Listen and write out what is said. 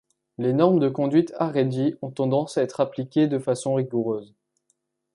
Les normes de conduite haredi ont tendance à être appliquées de façon rigoureuse.